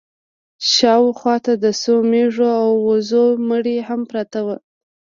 شا و خوا ته د څو مېږو او وزو مړي هم پراته وو.